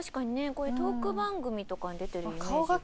こういうトーク番組とかに出てるイメージが。］